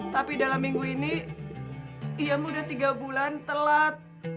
tapi dalam minggu ini iya udah tiga bulan telat